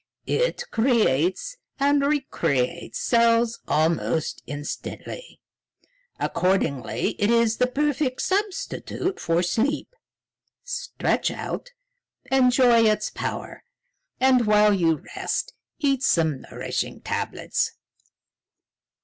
It creates and recreates cells almost instantly; accordingly, it is the perfect substitute for sleep. Stretch out, enjoy its power; and while you rest, eat these nourishing tablets."